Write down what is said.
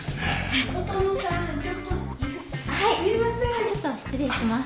あっちょっと失礼します。